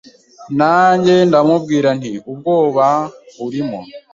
Nanjye ndamubwira nti Ubwoba urimo